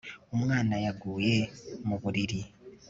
Umwana yaguye mu buriri